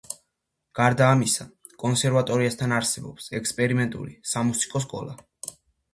გარდა ამისა, კონსერვატორიასთან არსებობს ექსპერიმენტული სამუსიკო სკოლა.